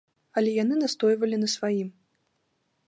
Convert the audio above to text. Але яны настойвалі на сваім.